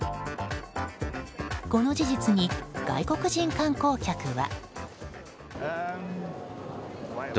この事実に外国人観光客は。